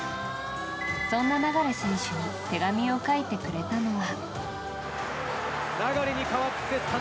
そんな流選手に手紙を書いてくれたのは。